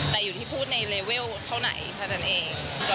นิดนึงค่ะคือเกี่ยวกับงานแค่นั้นเอง